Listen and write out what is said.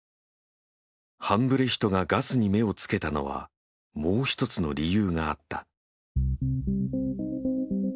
ハンブレヒトがガスに目をつけたのはもう一つの理由があった。